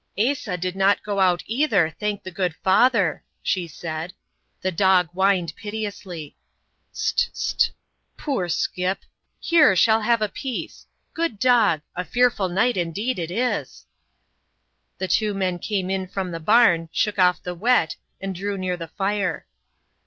"Asa did not go out either, thank the good Father!" she said. The dog whined piteously. "St! St! Poor Scip! Here, shall have a piece! Good dog! A fearful night indeed it is." The two men came in from the barn, shook off the wet, and drew near the fire.